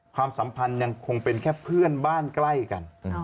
ความสัมพันธ์ยังคงเป็นแค่เพื่อนบ้านใกล้กัน